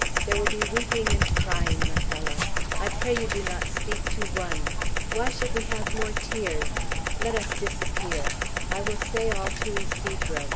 "There will be weeping and crying, Majella; I pray you do not speak to one. Why should we have more tears? Let us disappear. I will say all to Ysidro.